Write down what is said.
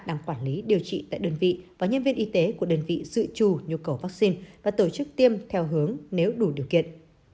đang quản lý điều trị tại đơn vị và nhân viên y tế của đơn vị dự trù nhu cầu vaccine và tổ chức tiêm theo hướng nếu đủ điều kiện